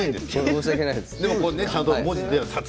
申し訳ないです。